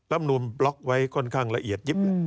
การเลือกตั้งครั้งนี้แน่